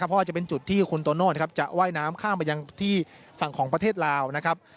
เพราะว่าจะเป็นจุดที่คุณโตโน่จะว่ายน้ำข้ามไปยังที่ฝั่งของประเทศลาวนะครับ